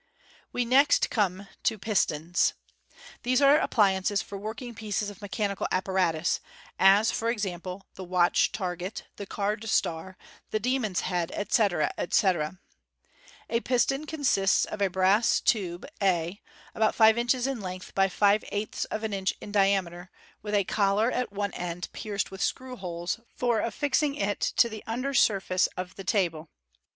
We next come to — Pistons. — These are appliances for working pieces of mechanical apparatus — as, for example, the Watch Target, the Card Star, the Demon's Head, etc., etc. A piston (see Figs. 277, 278) consists of a brass tube a, about rive inches in length by five eighths of an inch in Fig. 277. Fig. 278. diameter, with a collar at one end pierced with screw holes tor affix ing it to the under surface of the table.